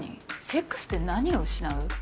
セックスで何を失う？